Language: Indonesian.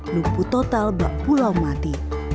lumpuh total bak pulau mati